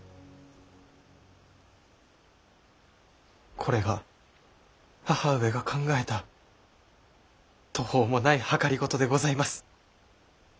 これが母上が考えた途方もない謀でございます。